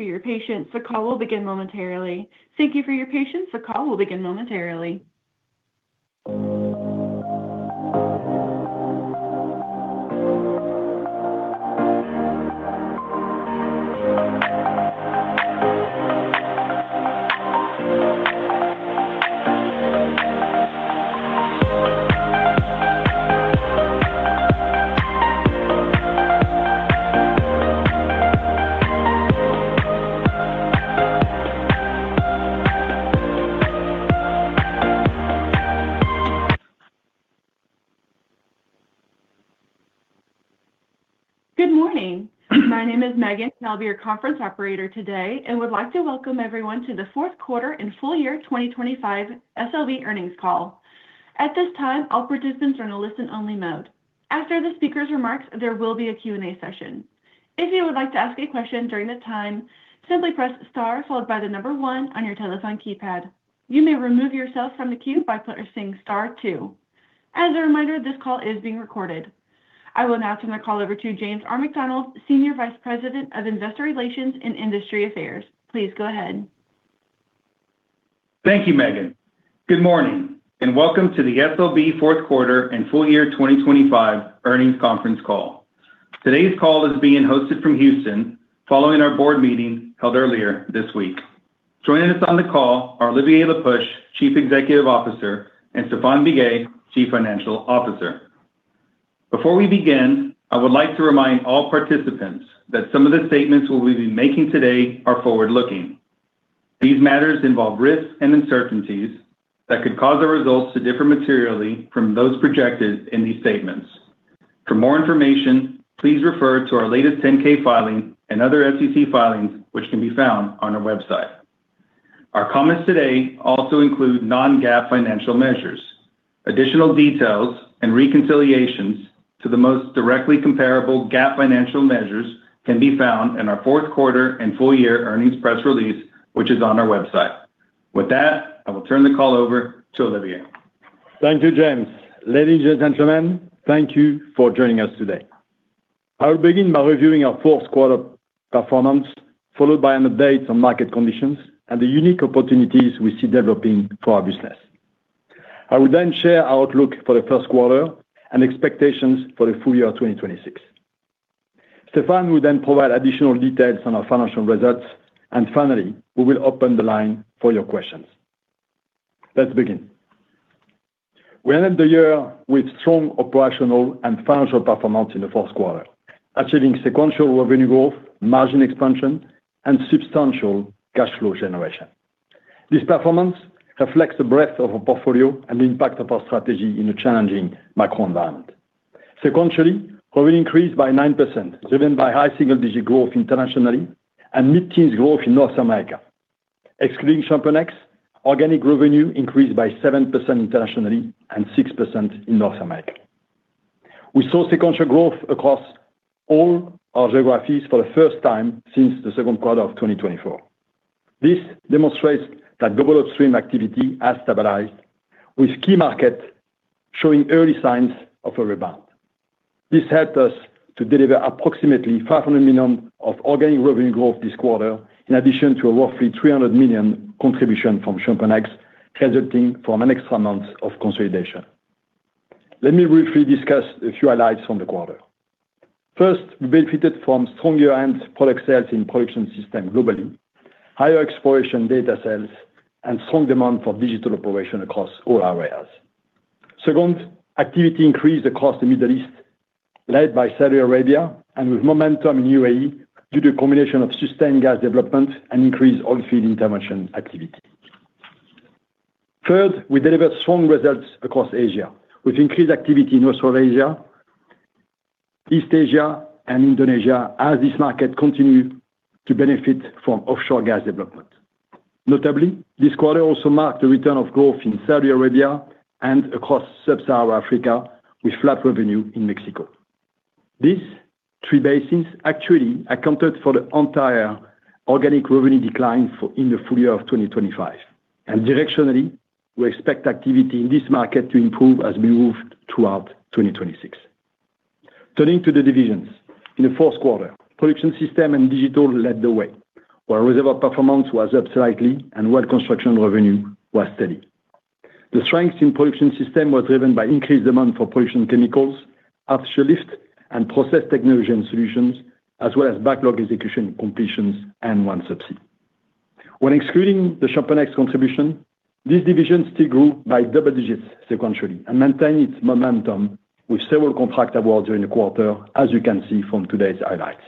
Thank you for your patience. The call will begin momentarily. Thank you for your patience. The call will begin momentarily. Good morning. My name is Megan. I'll be your conference operator today and would like to welcome everyone to the fourth quarter and full year 2025 SLB earnings call. At this time, all participants are in a listen-only mode. After the speaker's remarks, there will be a Q&A session. If you would like to ask a question during the time, simply press star followed by the number one on your telephone keypad. You may remove yourself from the queue by pressing star two. As a reminder, this call is being recorded. I will now turn the call over to James R. McDonald, Senior Vice President of Investor Relations and Industry Affairs. Please go ahead. Thank you, Megan. Good morning and welcome to the SLB fourth quarter and full year 2025 earnings conference call. Today's call is being hosted from Houston following our board meeting held earlier this week. Joining us on the call are Olivier Le Peuch, Chief Executive Officer, and Stéphane Biguet, Chief Financial Officer. Before we begin, I would like to remind all participants that some of the statements we will be making today are forward-looking. These matters involve risks and uncertainties that could cause the results to differ materially from those projected in these statements. For more information, please refer to our latest 10-K filing and other SEC filings, which can be found on our website. Our comments today also include non-GAAP financial measures. Additional details and reconciliations to the most directly comparable GAAP financial measures can be found in our fourth quarter and full year earnings press release, which is on our website. With that, I will turn the call over to Olivier. Thank you, James. Ladies and gentlemen, thank you for joining us today. I will begin by reviewing our fourth quarter performance, followed by an update on market conditions and the unique opportunities we see developing for our business. I will then share our outlook for the first quarter and expectations for the full year 2026. Stéphane will then provide additional details on our financial results. And finally, we will open the line for your questions. Let's begin. We ended the year with strong operational and financial performance in the fourth quarter, achieving sequential revenue growth, margin expansion, and substantial cash flow generation. This performance reflects the breadth of our portfolio and the impact of our strategy in a challenging macro environment. Sequentially, revenue increased by 9%, driven by high single-digit growth internationally and mid-teens growth in North America. Excluding ChampionX, organic revenue increased by 7% internationally and 6% in North America. We saw sequential growth across all our geographies for the first time since the second quarter of 2024. This demonstrates that global upstream activity has stabilized, with key markets showing early signs of a rebound. This helped us to deliver approximately $500 million of organic revenue growth this quarter, in addition to a roughly $300 million contribution from ChampionX, resulting from an extra month of consolidation. Let me briefly discuss a few highlights from the quarter. First, we benefited from stronger end product sales in production systems globally, higher exploration data sales, and strong demand for digital operations across all areas. Second, activity increased across the Middle East, led by Saudi Arabia, and with momentum in UAE due to a combination of sustained gas development and increased oil field intervention activity. Third, we delivered strong results across Asia, with increased activity in Australasia, East Asia, and Indonesia, as these markets continue to benefit from offshore gas development. Notably, this quarter also marked the return of growth in Saudi Arabia and across sub-Saharan Africa, with flat revenue in Mexico. These three bases actually accounted for the entire organic revenue decline in the full year of 2025. And directionally, we expect activity in this market to improve as we move throughout 2026. Turning to the divisions, in the fourth quarter, Production Systems and Digital led the way, where Reservoir Performance was up slightly and Well Construction revenue was steady. The strength in Production Systems was driven by increased demand for Production Chemicals, Asset Performance Solutions, and Process Technology and Solutions, as well as backlog execution, Completions, and OneSubsea. When excluding the ChampionX contribution, this division still grew by double digits sequentially and maintained its momentum with several contract awards during the quarter, as you can see from today's highlights.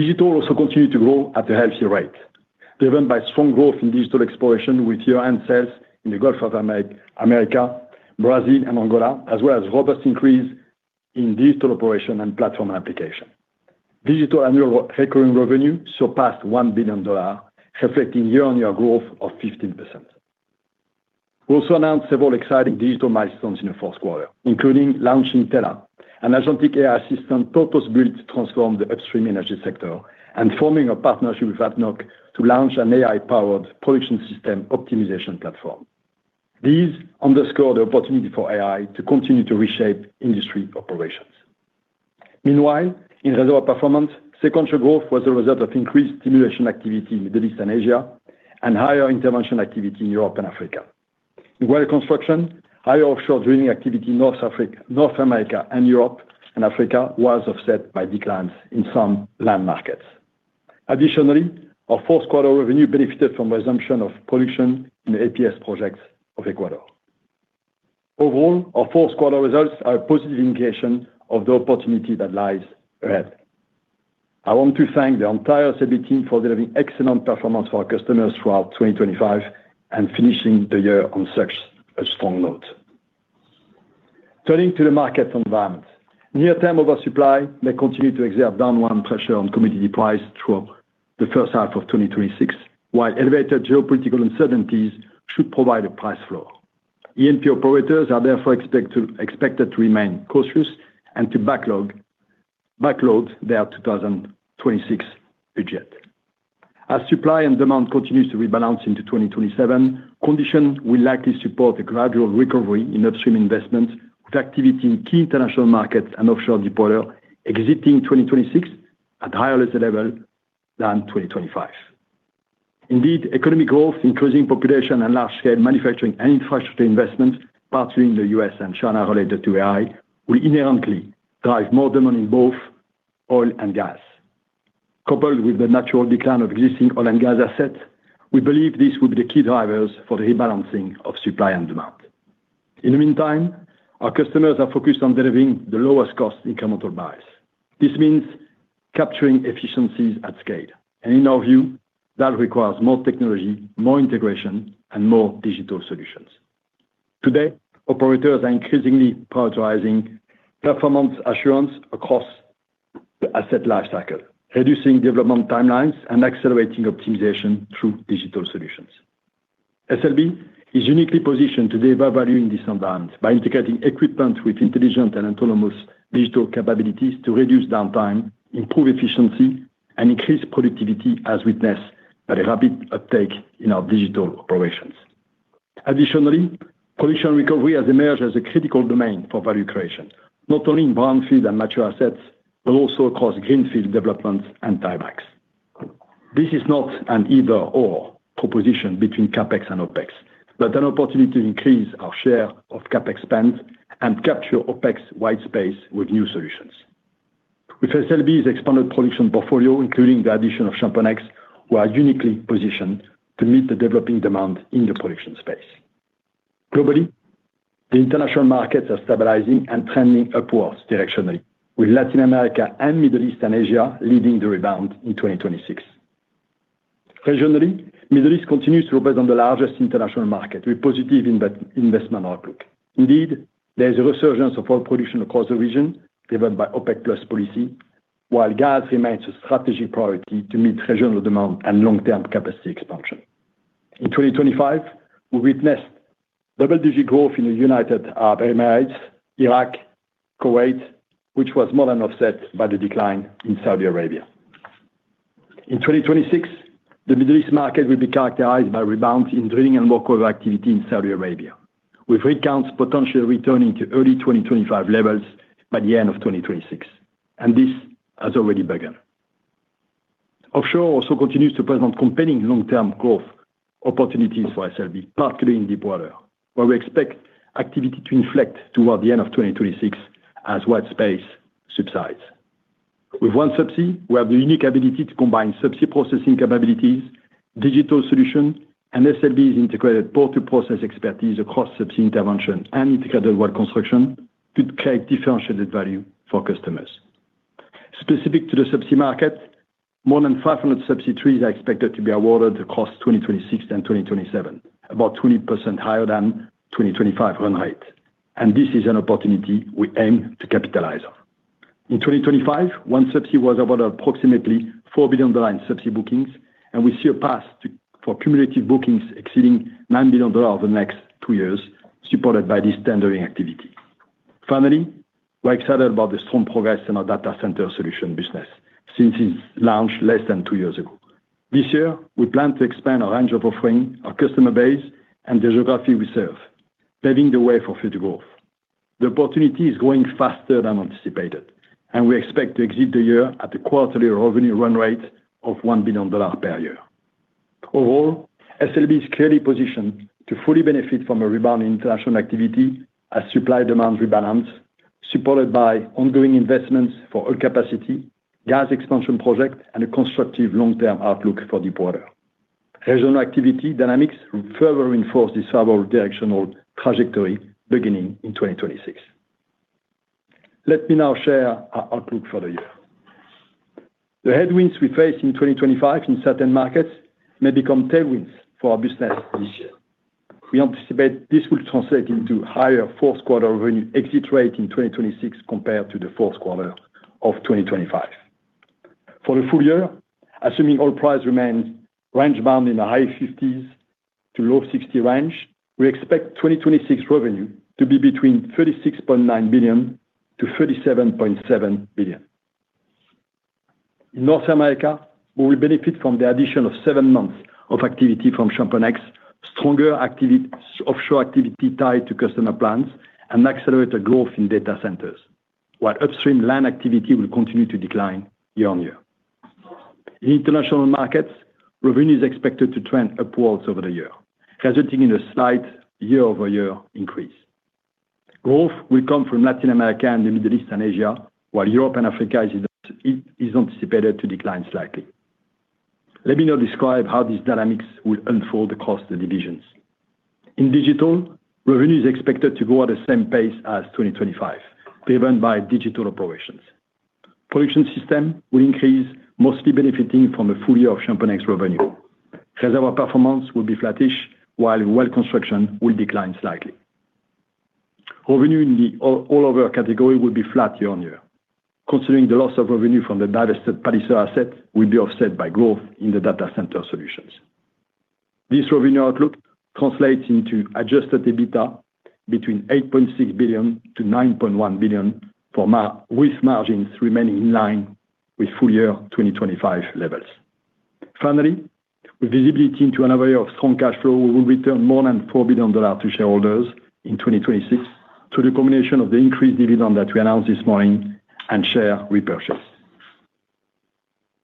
Digital also continued to grow at a healthy rate, driven by strong growth in digital exploration with year-end sales in the Gulf of Mexico, Brazil, and Angola, as well as robust increase in digital operation and platform application. Digital annual recurring revenue surpassed $1 billion, reflecting year-on-year growth of 15%. We also announced several exciting digital milestones in the fourth quarter, including launching Tela, an agentic AI system purpose-built to transform the upstream energy sector and forming a partnership with ADNOC to launch an AI-powered production system optimization platform. These underscore the opportunity for AI to continue to reshape industry operations. Meanwhile, in Reservoir Performance, sequential growth was the result of increased stimulation activity in the Middle East and Asia and higher intervention activity in Europe and Africa. In Well Construction, higher offshore drilling activity in North America and Europe and Africa was offset by declines in some land markets. Additionally, our fourth quarter revenue benefited from the resumption of production in the APS projects of Ecuador. Overall, our fourth quarter results are a positive indication of the opportunity that lies ahead. I want to thank the entire SLB team for delivering excellent performance for our customers throughout 2025 and finishing the year on such a strong note. Turning to the market environment, near-term oversupply may continue to exert downward pressure on commodity prices throughout the first half of 2026, while elevated geopolitical uncertainties should provide a price floor. E&P operators are therefore expected to remain cautious and to back-load their 2026 budget. As supply and demand continue to rebalance into 2027, conditions will likely support a gradual recovery in upstream investment, with activity in key international markets and offshore deployment exiting 2026 at a higher level than 2025. Indeed, economic growth, increasing population and large-scale manufacturing and infrastructure investments, particularly in the U.S. and China related to AI, will inherently drive more demand in both oil and gas. Coupled with the natural decline of existing oil and gas assets, we believe these will be the key drivers for the rebalancing of supply and demand. In the meantime, our customers are focused on delivering the lowest-cost incremental barrel. This means capturing efficiencies at scale. In our view, that requires more technology, more integration, and more digital solutions. Today, operators are increasingly prioritizing performance assurance across the asset lifecycle, reducing development timelines and accelerating optimization through digital solutions. SLB is uniquely positioned to deliver value in this environment by integrating equipment with intelligent and autonomous digital capabilities to reduce downtime, improve efficiency, and increase productivity, as witnessed by the rapid uptake in our digital operations. Additionally, production recovery has emerged as a critical domain for value creation, not only in brownfield and mature assets, but also across greenfield developments and tiebacks. This is not an either/or proposition between CapEx and OPEC, but an opportunity to increase our share of CapEx spend and capture OPEC white space with new solutions. With SLB's expanded production portfolio, including the addition of ChampionX, we are uniquely positioned to meet the developing demand in the production space. Globally, the international markets are stabilizing and trending upwards directionally, with Latin America and Middle East and Asia leading the rebound in 2026. Regionally, Middle East continues to represent the largest international market, with positive investment outlook. Indeed, there is a resurgence of oil production across the region, driven by OPEC+ policy, while gas remains a strategic priority to meet regional demand and long-term capacity expansion. In 2025, we witnessed double-digit growth in the United Arab Emirates, Iraq, and Kuwait, which was more than offset by the decline in Saudi Arabia. In 2026, the Middle East market will be characterized by rebounds in drilling and workover activity in Saudi Arabia, with rig counts potentially returning to early 2025 levels by the end of 2026. This has already begun. Offshore also continues to present compelling long-term growth opportunities for SLB, particularly in deepwater, where we expect activity to inflect toward the end of 2026 as white space subsides. With OneSubsea, we have the unique ability to combine Subsea processing capabilities, digital solutions, and SLB's integrated pore-to-process expertise across Subsea intervention and integrated well construction to create differentiated value for customers. Specific to the Subsea market, more than 500 Subsea trees are expected to be awarded across 2026 and 2027, about 20% higher than 2025 run rate. And this is an opportunity we aim to capitalize on. In 2025, OneSubsea was awarded approximately $4 billion Subsea bookings, and we see a path for cumulative bookings exceeding $9 billion over the next two years, supported by this tendering activity. Finally, we're excited about the strong progress in our data center solution business since its launch less than two years ago. This year, we plan to expand our range of offering, our customer base, and the geography we serve, paving the way for future growth. The opportunity is growing faster than anticipated, and we expect to exit the year at a quarterly revenue run rate of $1 billion per year. Overall, SLB is clearly positioned to fully benefit from a rebound in international activity as supply-demand rebalance, supported by ongoing investments for oil capacity, gas expansion projects, and a constructive long-term outlook for deep water. Regional activity dynamics further reinforce this favorable directional trajectory beginning in 2026. Let me now share our outlook for the year. The headwinds we face in 2025 in certain markets may become tailwinds for our business this year. We anticipate this will translate into a higher fourth-quarter revenue exit rate in 2026 compared to the fourth quarter of 2025. For the full year, assuming oil price remains rangebound in the high 50s to low 60s range, we expect 2026 revenue to be between $36.9 billion-$37.7 billion. In North America, we will benefit from the addition of seven months of activity from ChampionX, stronger offshore activity tied to customer plans, and accelerated growth in data centers, while upstream land activity will continue to decline year-on-year. In international markets, revenue is expected to trend upwards over the year, resulting in a slight year-over-year increase. Growth will come from Latin America and the Middle East and Asia, while Europe and Africa is anticipated to decline slightly. Let me now describe how these dynamics will unfold across the divisions. In Digital, revenue is expected to grow at the same pace as 2025, driven by Digital Operations. Production Systems will increase, mostly benefiting from a full year of ChampionX revenue. Reservoir Performance will be flattish, while Well Construction will decline slightly. Revenue in the All Other category will be flat year-on-year, considering the loss of revenue from the divested Palliser asset will be offset by growth in the Data Center Solutions. This revenue outlook translates into Adjusted EBITDA between $8.6 billion-$9.1 billion, with margins remaining in line with full year 2025 levels. Finally, with visibility into another year of strong cash flow, we will return more than $4 billion to shareholders in 2026 through the combination of the increased dividend that we announced this morning and share repurchase.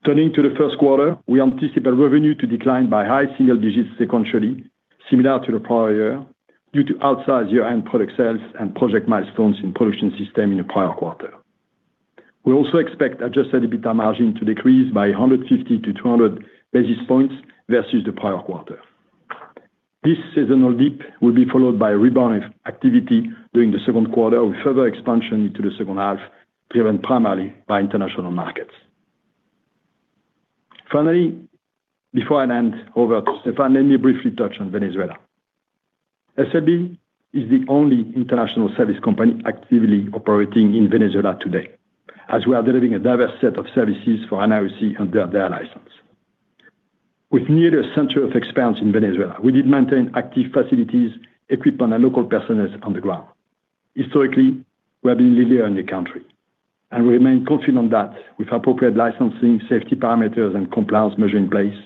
Turning to the first quarter, we anticipate revenue to decline by high single digits sequentially, similar to the prior year, due to outsized year-end product sales and project milestones in Production Systems in the prior quarter. We also expect Adjusted EBITDA margin to decrease by 150-200 basis points versus the prior quarter. This seasonal dip will be followed by a rebound of activity during the second quarter, with further expansion into the second half driven primarily by international markets. Finally, before I hand over to Stéphane, let me briefly touch on Venezuela. SLB is the only international service company actively operating in Venezuela today, as we are delivering a diverse set of services for NOC under their license. With nearly a century of experience in Venezuela, we did maintain active facilities, equipment, and local personnel on the ground. Historically, we have been a leader in the country, and we remain confident that with appropriate licensing, safety parameters, and compliance measures in place,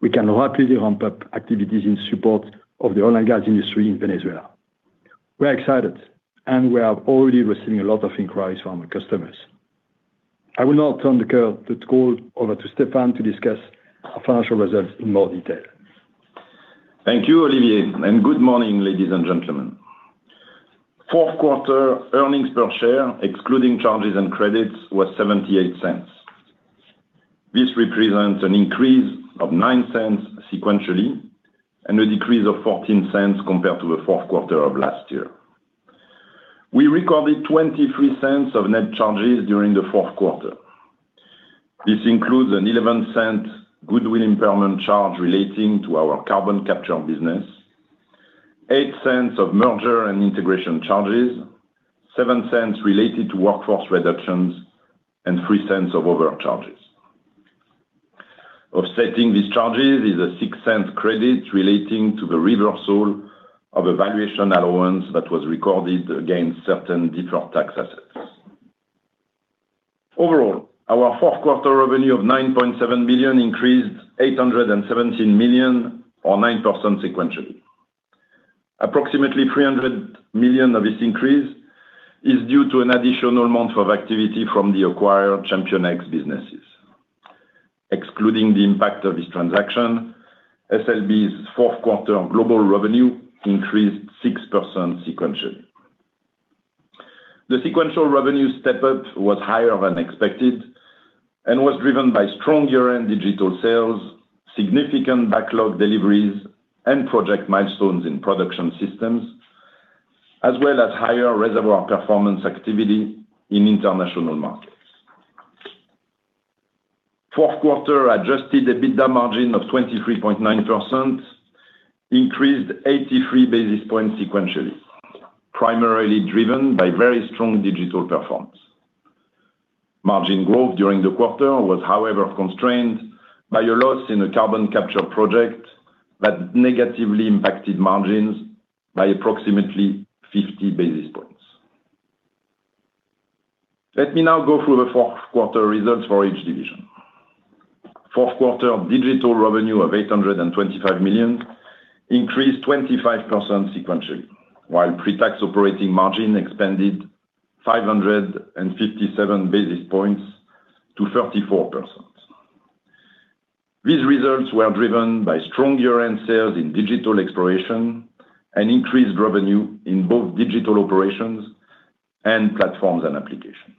we can rapidly ramp up activities in support of the oil and gas industry in Venezuela. We are excited, and we are already receiving a lot of inquiries from our customers. I will now turn the call over to Stéphane to discuss our financial results in more detail. Thank you, Olivier, and good morning, ladies and gentlemen. Fourth quarter earnings per share, excluding charges and credits, was $0.78. This represents an increase of $0.09 sequentially and a decrease of $0.14 compared to the fourth quarter of last year. We recorded $0.23 of net charges during the fourth quarter. This includes an $0.11 goodwill impairment charge relating to our carbon capture business, $0.08 of merger and integration charges, $0.07 related to workforce reductions, and $0.03 of other charges. Offsetting these charges is a $0.06 credit relating to the reversal of a valuation allowance that was recorded against certain deferred tax assets. Overall, our fourth quarter revenue of $9.7 billion increased $817 million, or 9% sequentially. Approximately $300 million of this increase is due to an additional month of activity from the acquired ChampionX businesses. Excluding the impact of this transaction, SLB's fourth quarter global revenue increased 6% sequentially. The sequential revenue step-up was higher than expected and was driven by strong year-end digital sales, significant backlog deliveries, and project milestones in production systems, as well as higher reservoir performance activity in international markets. Fourth quarter adjusted EBITDA margin of 23.9% increased 83 basis points sequentially, primarily driven by very strong digital performance. Margin growth during the quarter was, however, constrained by a loss in a carbon capture project that negatively impacted margins by approximately 50 basis points. Let me now go through the fourth quarter results for each division. Fourth quarter Digital revenue of $825 million increased 25% sequentially, while pre-tax operating margin expanded 557 basis points to 34%. These results were driven by strong year-end sales in Digital exploration and increased revenue in both Digital operations and platforms and applications.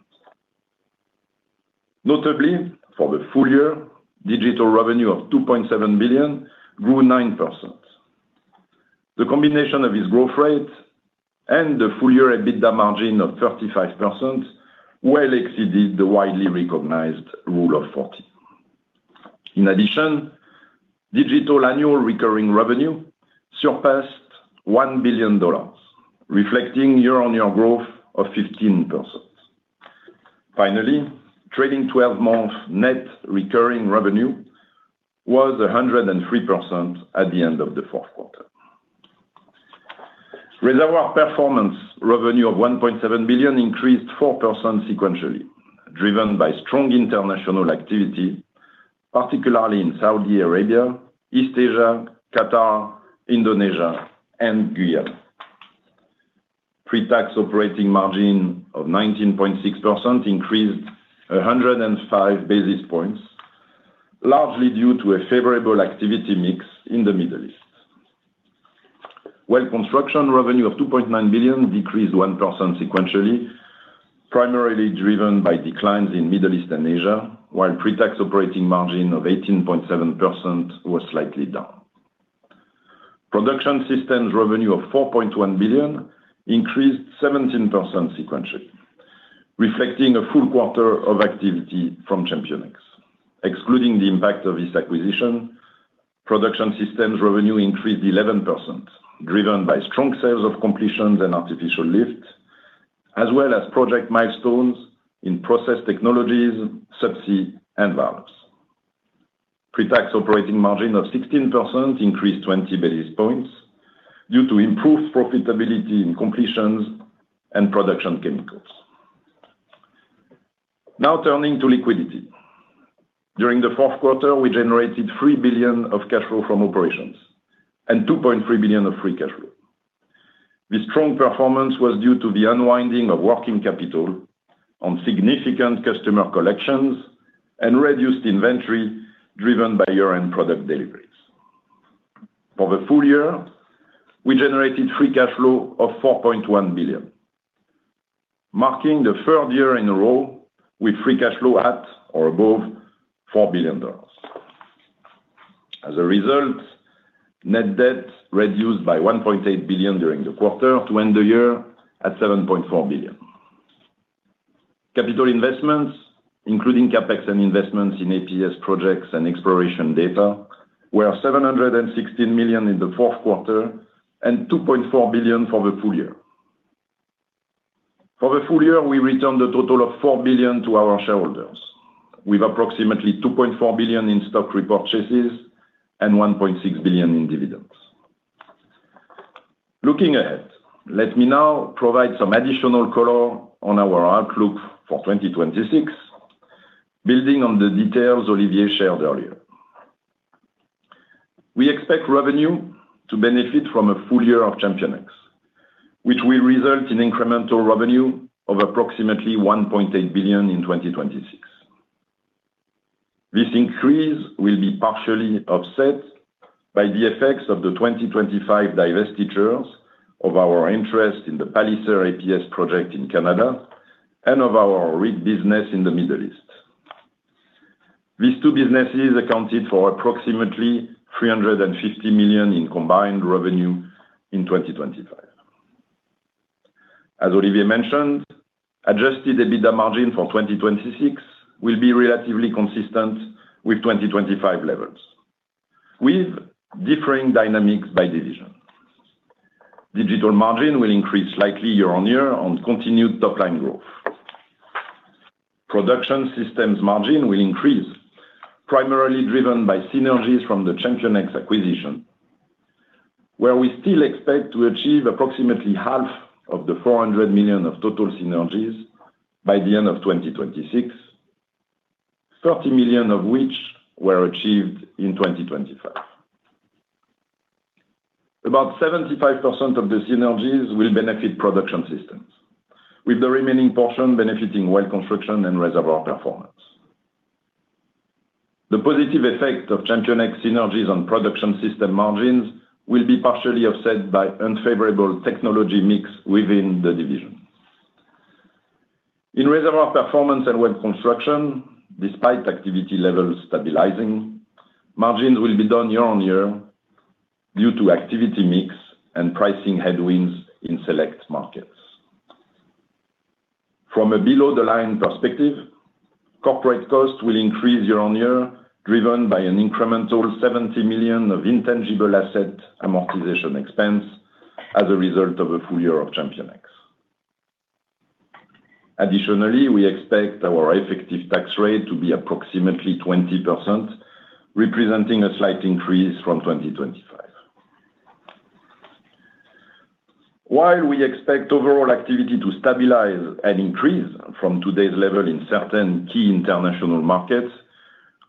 Notably, for the full year, Digital revenue of $2.7 billion grew 9%. The combination of this growth rate and the full year EBITDA margin of 35% well exceeded the widely recognized Rule of 40. In addition, Digital annual recurring revenue surpassed $1 billion, reflecting year-on-year growth of 15%. Finally, trailing 12-month net recurring revenue was 103% at the end of the fourth quarter. Reservoir Performance revenue of $1.7 billion increased 4% sequentially, driven by strong international activity, particularly in Saudi Arabia, East Asia, Qatar, Indonesia, and Guyana. Pre-tax operating margin of 19.6% increased 105 basis points, largely due to a favorable activity mix in the Middle East. Well Construction revenue of $2.9 billion decreased 1% sequentially, primarily driven by declines in Middle East and Asia, while pre-tax operating margin of 18.7% was slightly down. Production Systems revenue of $4.1 billion increased 17% sequentially, reflecting a full quarter of activity from ChampionX. Excluding the impact of this acquisition, Production Systems revenue increased 11%, driven by strong sales of Completions and Artificial Lift, as well as project milestones in Process Technologies, Subsea, and Valves. Pre-tax operating margin of 16% increased 20 basis points due to improved profitability in Completions and Production Chemicals. Now turning to liquidity. During the fourth quarter, we generated $3 billion of cash flow from operations and $2.3 billion of free cash flow. This strong performance was due to the unwinding of working capital on significant customer collections and reduced inventory driven by year-end product deliveries. For the full year, we generated free cash flow of $4.1 billion, marking the third year in a row with free cash flow at or above $4 billion. As a result, net debt reduced by $1.8 billion during the quarter to end the year at $7.4 billion. Capital investments, including CapEx and investments in APS projects and exploration data, were $716 million in the fourth quarter and $2.4 billion for the full year. For the full year, we returned a total of $4 billion to our shareholders, with approximately $2.4 billion in stock repurchases and $1.6 billion in dividends. Looking ahead, let me now provide some additional color on our outlook for 2026, building on the details Olivier shared earlier. We expect revenue to benefit from a full year of ChampionX, which will result in incremental revenue of approximately $1.8 billion in 2026. This increase will be partially offset by the effects of the 2025 divestitures of our interest in the Palliser APS project in Canada and of our rig business in the Middle East. These two businesses accounted for approximately $350 million in combined revenue in 2025. As Olivier mentioned, adjusted EBITDA margin for 2026 will be relatively consistent with 2025 levels, with differing dynamics by division. Digital margin will increase slightly year-on-year on continued top-line growth. Production systems margin will increase, primarily driven by synergies from the ChampionX acquisition, where we still expect to achieve approximately half of the $400 million of total synergies by the end of 2026, $30 million of which were achieved in 2025. About 75% of the synergies will benefit production systems, with the remaining portion benefiting well-construction and reservoir performance. The positive effect of ChampionX synergies on production system margins will be partially offset by unfavorable technology mix within the division. In reservoir performance and well-construction, despite activity levels stabilizing, margins will be down year-over-year due to activity mix and pricing headwinds in select markets. From a below-the-line perspective, corporate costs will increase year-over-year, driven by an incremental $70 million of intangible asset amortization expense as a result of a full year of ChampionX. Additionally, we expect our effective tax rate to be approximately 20%, representing a slight increase from 2025. While we expect overall activity to stabilize and increase from today's level in certain key international markets,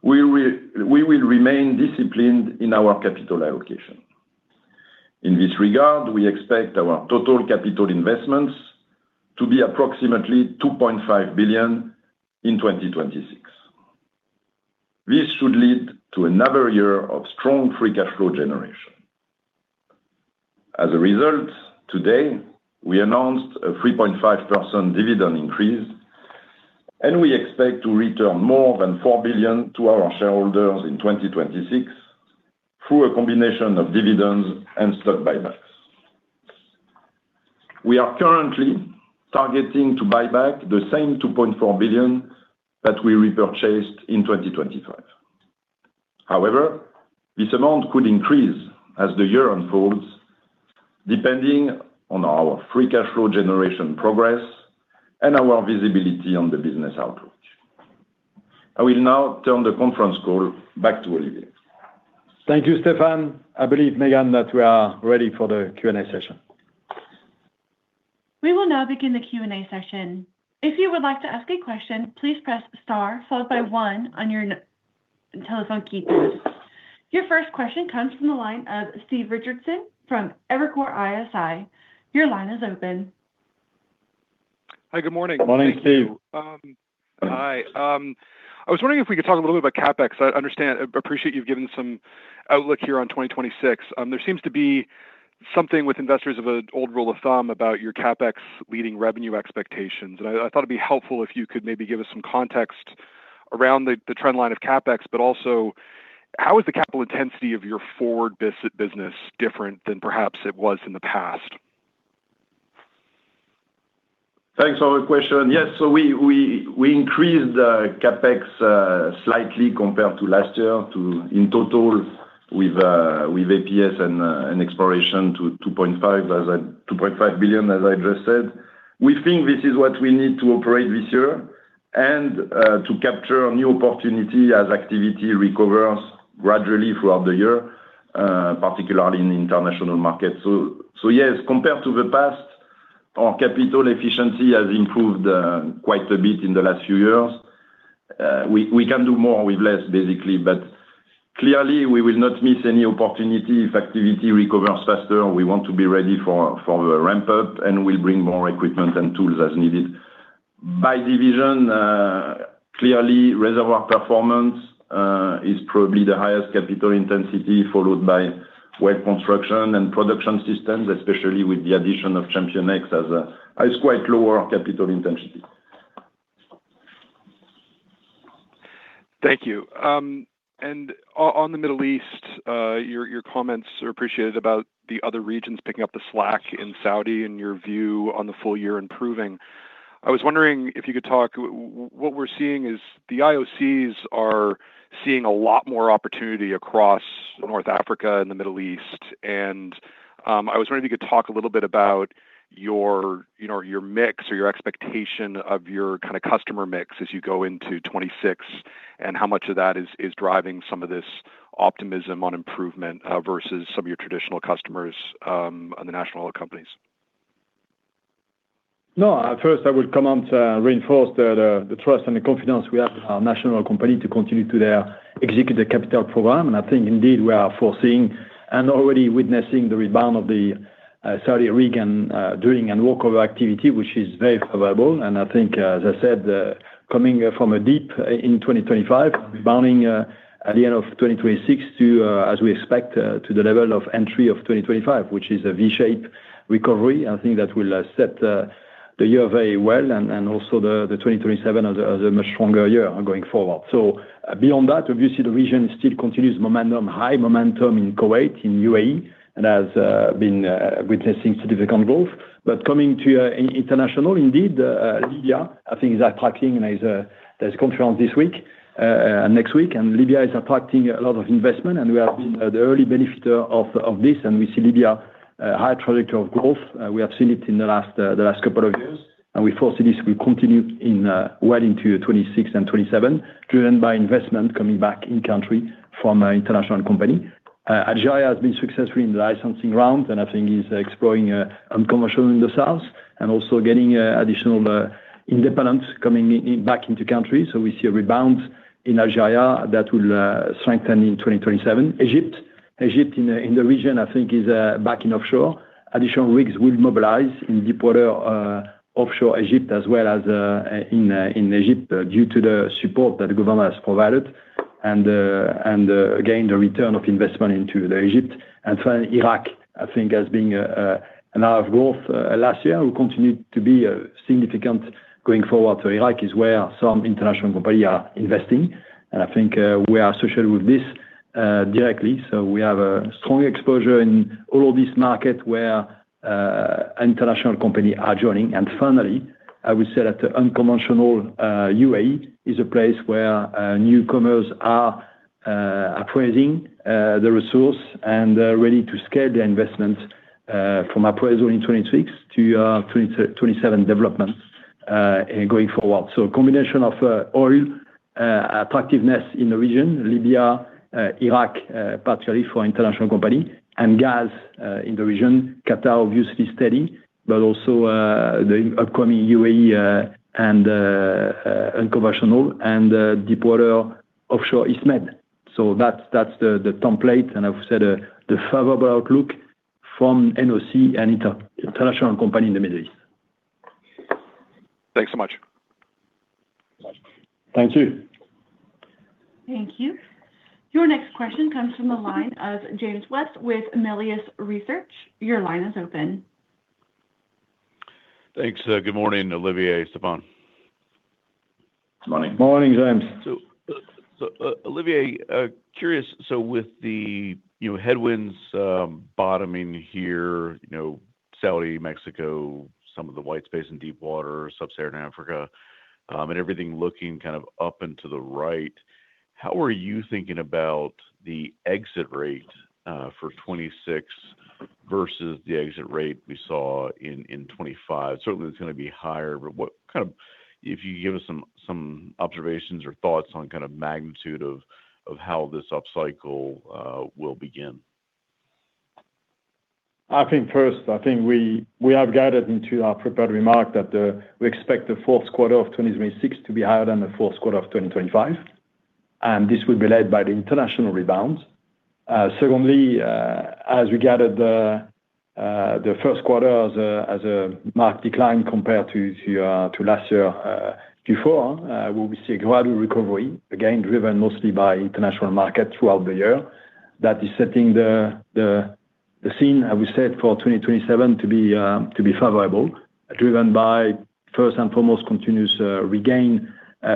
we will remain disciplined in our capital allocation. In this regard, we expect our total capital investments to be approximately $2.5 billion in 2026. This should lead to another year of strong free cash flow generation. As a result, today, we announced a 3.5% dividend increase, and we expect to return more than $4 billion to our shareholders in 2026 through a combination of dividends and stock buybacks. We are currently targeting to buy back the same $2.4 billion that we repurchased in 2025. However, this amount could increase as the year unfolds, depending on our free cash flow generation progress and our visibility on the business outlook. I will now turn the conference call back to Olivier. Thank you, Stéphane. I believe, Megan, that we are ready for the Q&A session. We will now begin the Q&A session. If you would like to ask a question, please press star followed by one on your telephone keypad. Your first question comes from the line of Stephen Richardson from Evercore ISI. Your line is open. Hi, good morning. Good morning, Steve. Hi. I was wondering if we could talk a little bit about CapEx. I understand, appreciate you've given some outlook here on 2026. There seems to be something with investors of an old rule of thumb about your CapEx leading revenue expectations. And I thought it'd be helpful if you could maybe give us some context around the trend line of CapEx, but also how is the capital intensity of your forward business different than perhaps it was in the past? Thanks for the question. Yes, so we increased CapEx slightly compared to last year in total with APS and exploration to $2.5 billion, as I just said. We think this is what we need to operate this year and to capture new opportunity as activity recovers gradually throughout the year, particularly in international markets. So yes, compared to the past, our capital efficiency has improved quite a bit in the last few years. We can do more with less, basically, but clearly, we will not miss any opportunity if activity recovers faster. We want to be ready for the ramp-up, and we'll bring more equipment and tools as needed. By division, clearly, Reservoir Performance is probably the highest capital intensity followed by Well Construction and Production Systems, especially with the addition of ChampionX as a quite lower capital intensity. Thank you. On the Middle East, your comments are appreciated about the other regions picking up the slack in Saudi and your view on the full year improving. I was wondering if you could talk what we're seeing is the IOCs are seeing a lot more opportunity across North Africa and the Middle East. And I was wondering if you could talk a little bit about your mix or your expectation of your kind of customer mix as you go into 2026 and how much of that is driving some of this optimism on improvement versus some of your traditional customers on the national companies. No, first, I would come out to reinforce the trust and the confidence we have in our national company to continue to execute the capital program. And I think, indeed, we are foreseeing and already witnessing the rebound of the Saudi Arabian drilling and workover activity, which is very favorable. And I think, as I said, coming from a dip in 2025, rebounding at the end of 2026 to, as we expect, to the level we entered 2025, which is a V-shaped recovery. I think that will set the year very well and also the 2027 as a much stronger year going forward. So beyond that, obviously, the region still continues momentum, high momentum in Kuwait, in UAE, and has been witnessing significant growth. But coming to international, indeed, Libya, I think, is attracting and has a conference this week and next week. And Libya is attracting a lot of investment, and we have been the early beneficiaries of this. And we see Libya's high trajectory of growth. We have seen it in the last couple of years. And we foresee this will continue well into 2026 and 2027, driven by investment coming back in country from an international company. Algeria has been successful in the licensing round, and I think is exploring unconventional in the south and also getting additional investment coming back into country. So we see a rebound in Algeria that will strengthen in 2027. Egypt, Egypt in the region, I think, is back in offshore. Additional rigs will mobilize in deep water offshore Egypt as well as in Egypt due to the support that the government has provided and gained a return of investment into Egypt. And Iraq, I think, has been an area of growth last year, will continue to be significant going forward. So Iraq is where some international companies are investing. And I think we are associated with this directly. So we have a strong exposure in all of these markets where international companies are joining. And finally, I would say that the unconventional UAE is a place where newcomers are appraising the resource and ready to scale their investments from appraisal in 2026 to 2027 developments going forward. A combination of oil attractiveness in the region, Libya, Iraq, particularly for international companies, and gas in the region, Qatar obviously steady, but also the upcoming UAE and unconventional and deepwater offshore East Med. So that's the template. And I would say the favorable outlook from NOC and international company in the Middle East. Thanks so much. Thank you. Thank you. Your next question comes from the line of James West with Melius Research. Your line is open. Thanks. Good morning, Olivier, Stéphane. Good morning. Morning, James. So Olivier, curious, so with the headwinds bottoming here, Saudi, Mexico, some of the white space in deepwater, sub-Saharan Africa, and everything looking kind of up and to the right, how are you thinking about the exit rate for 2026 versus the exit rate we saw in 2025? Certainly, it's going to be higher, but what kind of, if you give us some observations or thoughts on kind of magnitude of how this upcycle will begin? I think first, I think we have guided into our prepared remark that we expect the fourth quarter of 2026 to be higher than the fourth quarter of 2025. And this will be led by the international rebound. Secondly, as we guided the first quarter as a marked decline compared to last year before, we will see a gradual recovery, again, driven mostly by international markets throughout the year. That is setting the scene, I would say, for 2027 to be favorable, driven by, first and foremost, continuous regain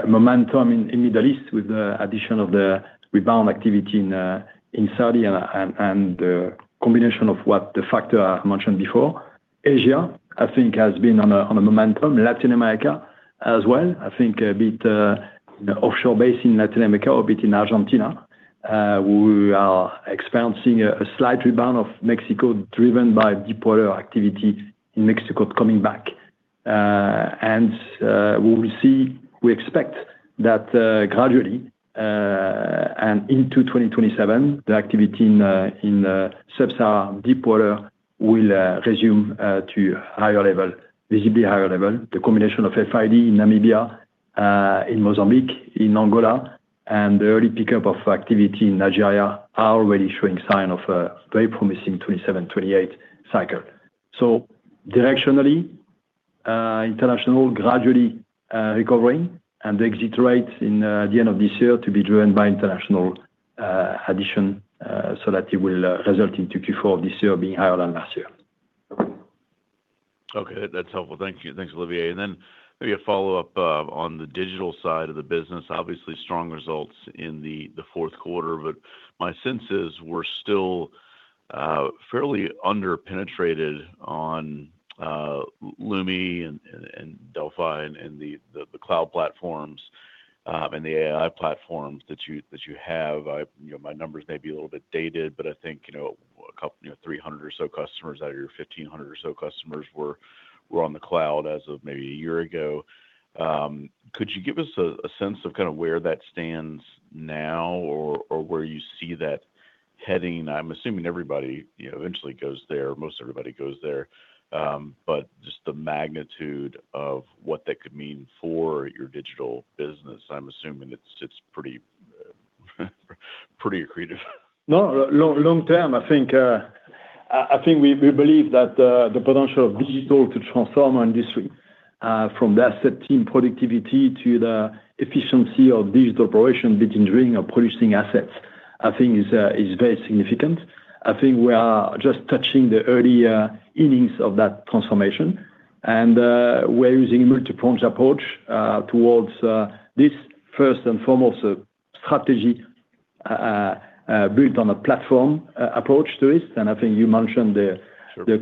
momentum in the Middle East with the addition of the rebound activity in Saudi and the combination of what the factor I mentioned before. Asia, I think, has been on a momentum. Latin America as well, I think, a bit offshore-based in Latin America, a bit in Argentina. We are experiencing a slight rebound of Mexico, driven by deepwater activity in Mexico coming back. And we will see, we expect that gradually and into 2027, the activity in Sub-Saharan deepwater will resume to higher level, visibly higher level. The combination of FID in Namibia, in Mozambique, in Angola, and the early pickup of activity in Algeria are already showing signs of a very promising 2027, 2028 cycle. So directionally, international gradually recovering and the exit rate in the end of this year to be driven by international addition so that it will result in Q4 of this year being higher than last year. Okay. That's helpful. Thank you. Thanks, Olivier. And then maybe a follow-up on the digital side of the business. Obviously, strong results in the fourth quarter, but my sense is we're still fairly underpenetrated on Lumi and Delfi and the cloud platforms and the AI platforms that you have. My numbers may be a little bit dated, but I think a couple of 300 or so customers out of your 1,500 or so customers were on the cloud as of maybe a year ago. Could you give us a sense of kind of where that stands now or where you see that heading? I'm assuming everybody eventually goes there. Most everybody goes there. But just the magnitude of what that could mean for your digital business, I'm assuming it's pretty accretive. No, long term, I think we believe that the potential of digital to transform our industry from the asset team productivity to the efficiency of digital operation between drilling or producing assets, I think, is very significant. I think we are just touching the early innings of that transformation. We're using a multi-pronged approach towards this, first and foremost, a strategy built on a platform approach to it. I think you mentioned the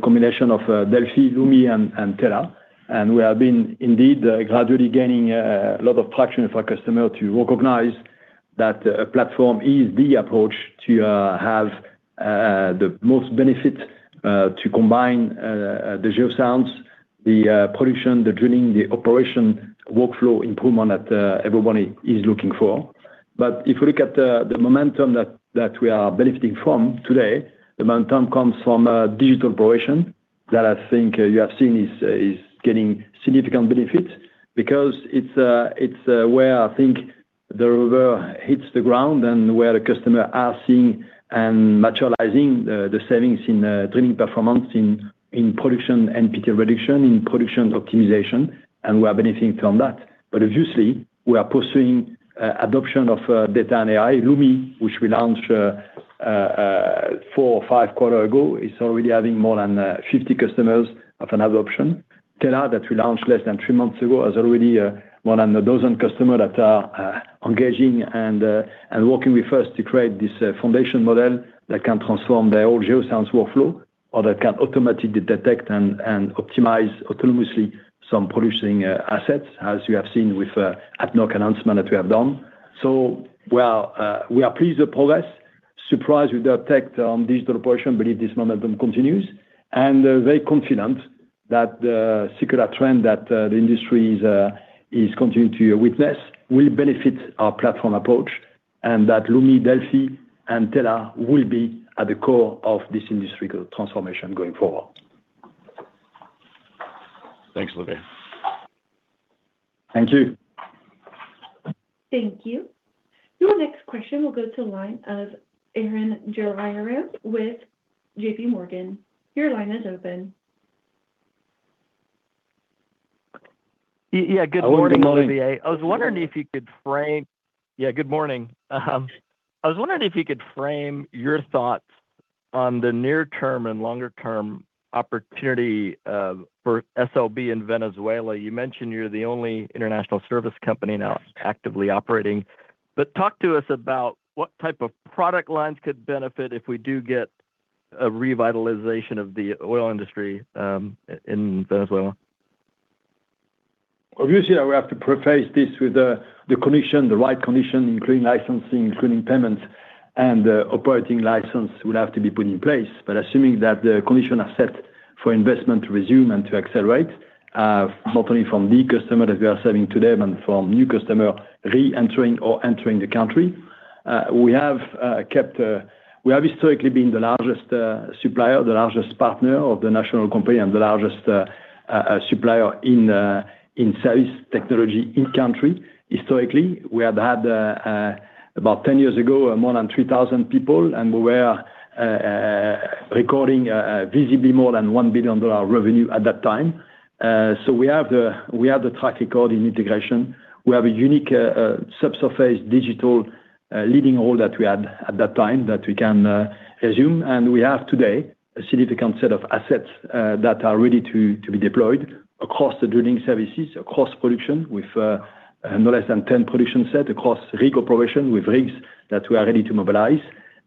combination of Delfi, Lumi, and Tela. We have been indeed gradually gaining a lot of traction for customers to recognize that a platform is the approach to have the most benefit to combine the geoscience, the production, the drilling, the operation workflow improvement that everybody is looking for. But if we look at the momentum that we are benefiting from today, the momentum comes from digital operation that I think you have seen is getting significant benefits because it's where I think the river hits the ground and where the customer is seeing and materializing the savings in drilling performance, in production NPT reduction, in production optimization, and we are benefiting from that. But obviously, we are pursuing adoption of data and AI. Lumi, which we launched four or five quarters ago, is already having more than 50 customers of an adoption. Tela, that we launched less than three months ago, has already more than a dozen customers that are engaging and working with us to create this foundation model that can transform their own geoscience workflow or that can automatically detect and optimize autonomously some producing assets, as you have seen with the ADNOC announcement that we have done. So we are pleased with the progress. Surprised with the effect on digital operation. I believe this momentum continues. And very confident that the secular trend that the industry is continuing to witness will benefit our platform approach and that Lumi, Delfi, and Tela will be at the core of this industry transformation going forward. Thanks, Olivier. Thank you. Thank you. Your next question will go to line of Arun Jayaram with J.P. Morgan. Your line is open. Yeah. Good morning, Olivier. I was wondering if you could frame. Yeah. Good morning. I was wondering if you could frame your thoughts on the near-term and longer-term opportunity for SLB in Venezuela. You mentioned you're the only international service company now actively operating. But talk to us about what type of product lines could benefit if we do get a revitalization of the oil industry in Venezuela. Obviously, I will have to preface this with the condition, the right condition, including licensing, including payments, and the operating license will have to be put in place. But assuming that the conditions are set for investment to resume and to accelerate, not only from the customer that we are serving today, but from new customers re-entering or entering the country, we have historically been the largest supplier, the largest partner of the national company, and the largest supplier in service technology in country. Historically, we had had about 10 years ago more than 3,000 people, and we were recording visibly more than $1 billion revenue at that time. So we have the track record in integration. We have a unique subsurface digital leading role that we had at that time that we can resume. And we have today a significant set of assets that are ready to be deployed across the drilling services, across production with no less than 10 production sets, across rig operations with rigs that we are ready to mobilize.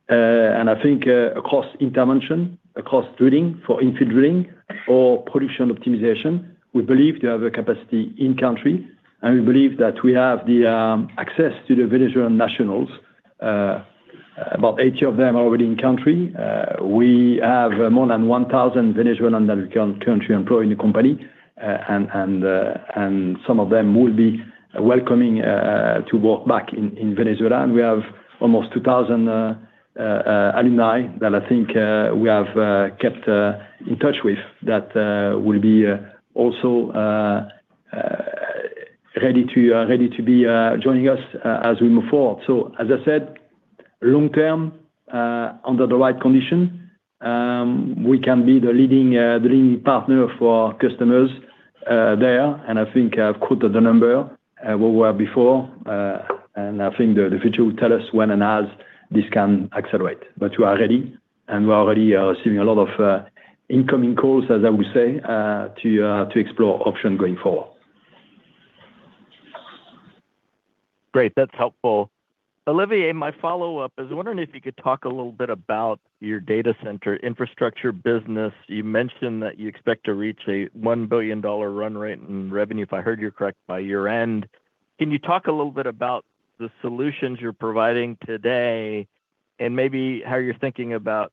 And I think across intervention, across drilling for infill drilling or production optimization, we believe to have a capacity in country. And we believe that we have the access to the Venezuelan nationals. About 80 of them are already in country. We have more than 1,000 Venezuelan and African country employees in the company. Some of them will be welcoming to work back in Venezuela. We have almost 2,000 alumni that I think we have kept in touch with that will be also ready to be joining us as we move forward. So as I said, long term, under the right conditions, we can be the leading partner for customers there. I think I've quoted the number where we were before. I think the future will tell us when and as this can accelerate. But we are ready. We are already receiving a lot of incoming calls, as I would say, to explore options going forward. Great. That's helpful. Olivier, my follow-up is wondering if you could talk a little bit about your data center infrastructure business. You mentioned that you expect to reach a $1 billion run rate in revenue, if I heard you correct, by year-end. Can you talk a little bit about the solutions you're providing today and maybe how you're thinking about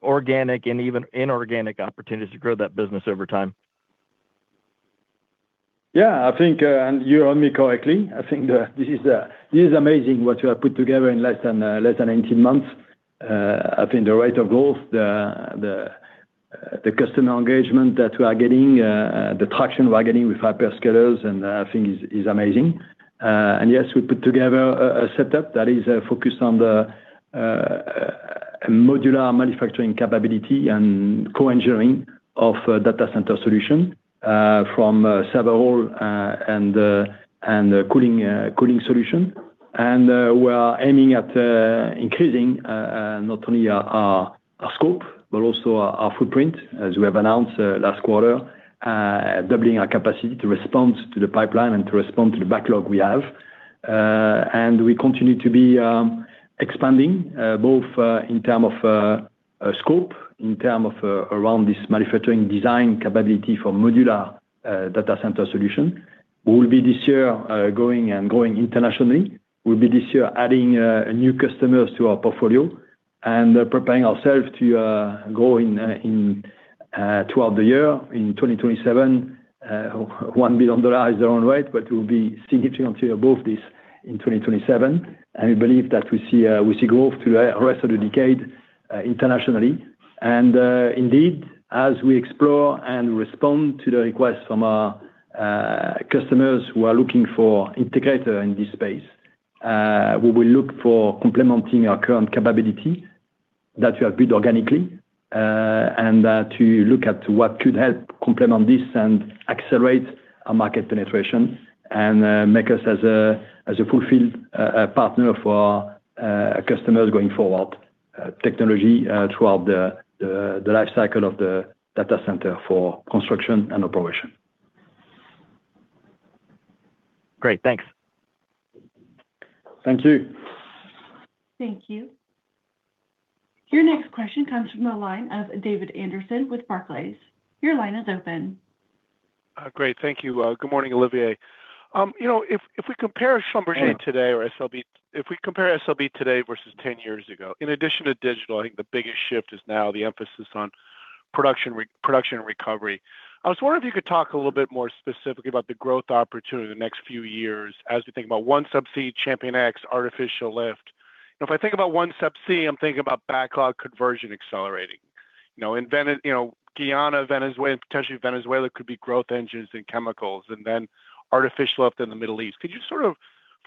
organic and even inorganic opportunities to grow that business over time? Yeah. I think you heard me correctly. I think this is amazing what we have put together in less than 18 months. I think the rate of growth, the customer engagement that we are getting, the traction we are getting with hyperscalers, and I think is amazing. And yes, we put together a setup that is focused on the modular manufacturing capability and co-engineering of data center solutions from server room and cooling solutions. And we are aiming at increasing not only our scope, but also our footprint, as we have announced last quarter, doubling our capacity to respond to the pipeline and to respond to the backlog we have. We continue to be expanding both in terms of scope, in terms of around this manufacturing design capability for modular data center solutions. We will be this year going and growing internationally. We'll be this year adding new customers to our portfolio and preparing ourselves to grow throughout the year. In 2027, $1 billion is the wrong way, but we'll be significantly above this in 2027. We believe that we see growth through the rest of the decade internationally. And indeed, as we explore and respond to the requests from our customers who are looking for integrators in this space, we will look for complementing our current capability that we have built organically and to look at what could help complement this and accelerate our market penetration and make us as a fulfilled partner for customers going forward, technology throughout the lifecycle of the data center for construction and operation. Great. Thanks. Thank you. Thank you. Your next question comes from the line of David Anderson with Barclays. Your line is open. Great. Thank you. Good morning, Olivier. If we compare Schlumberger today or SLB, if we compare SLB today versus 10 years ago, in addition to digital, I think the biggest shift is now the emphasis on production and recovery. I was wondering if you could talk a little bit more specifically about the growth opportunity in the next few years as we think about OneSubsea, ChampionX, Artificial Lift. If I think about OneSubsea, I'm thinking about backlog conversion accelerating. Guyana, Venezuela, and potentially Venezuela could be growth engines in chemicals, and then Artificial Lift in the Middle East. Could you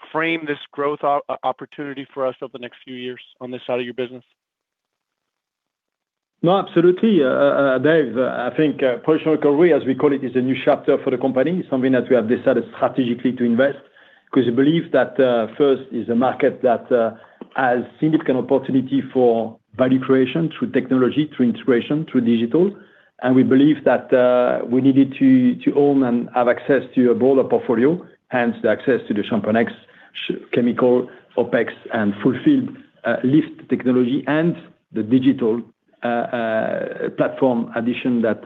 sort of frame this growth opportunity for us over the next few years on this side of your business? No, absolutely. Dave, I think production recovery, as we call it, is a new chapter for the company, something that we have decided strategically to invest because we believe that this is a market that has significant opportunity for value creation through technology, through integration, through digital. And we believe that we needed to own and have access to a broader portfolio, hence the access to the Schlumberger chemical, OPEC, and artificial lift technology and the digital platform addition that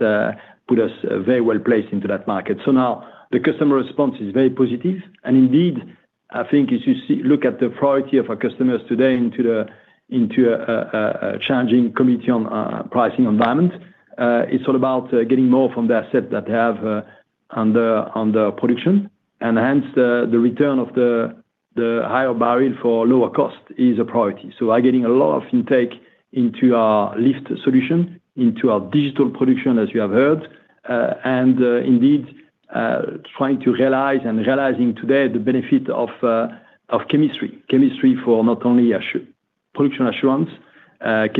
put us very well placed into that market. So now the customer response is very positive. And indeed, I think as you look at the priority of our customers today into the changing commodity pricing environment, it's all about getting more from the asset that they have under production. And hence, the return of the higher barrel for lower cost is a priority. So we are getting a lot of intake into our lift solution, into our digital production, as you have heard. And indeed, trying to realize and realizing today the benefit of chemistry, chemistry for not only production assurance, but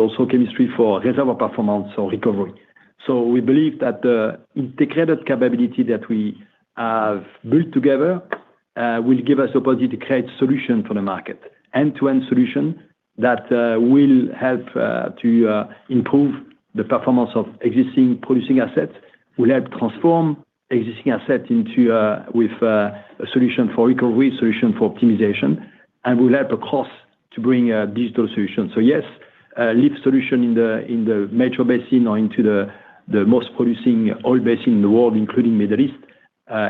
also chemistry for reservoir performance or recovery. So we believe that the integrated capability that we have built together will give us the opportunity to create solutions for the market, end-to-end solutions that will help to improve the performance of existing producing assets, will help transform existing assets with a solution for recovery, solution for optimization, and will help across to bring digital solutions. So yes, lift solution in the major basin or into the most producing oil basin in the world, including the Middle East.